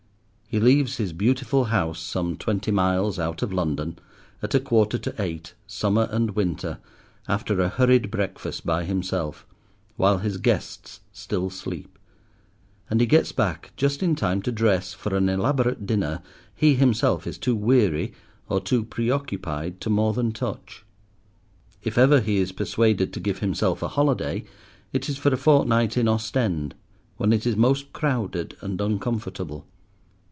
He leaves his beautiful house, some twenty miles out of London, at a quarter to eight, summer and winter, after a hurried breakfast by himself, while his guests still sleep, and he gets back just in time to dress for an elaborate dinner he himself is too weary or too preoccupied to more than touch. If ever he is persuaded to give himself a holiday it is for a fortnight in Ostend, when it is most crowded and uncomfortable.